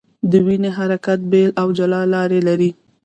د وینو حرکت بېل او جلا لار لري.